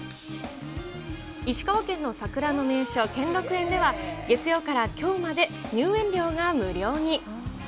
石川県の桜の名所、兼六園では、月曜からきょうまで入園料が無料に。